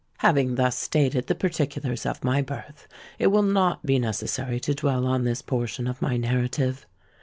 "Having thus stated the particulars of my birth, it will not be necessary to dwell on this portion of my narrative.